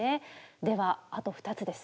ではあと２つです。